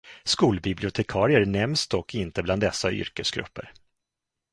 Skolbibliotekarier nämns dock inte bland dessa yrkesgrupper.